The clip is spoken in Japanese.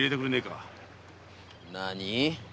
何？